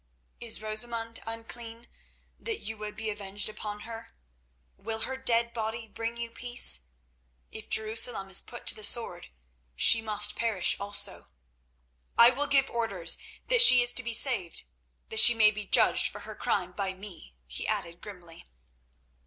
"Is Rosamund unclean that you would be avenged upon her? Will her dead body bring you peace? If Jerusalem is put to the sword, she must perish also." "I will give orders that she is to be saved—that she may be judged for her crime by me," he added grimly.